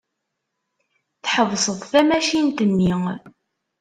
Tḥebseḍ tamacint-nni.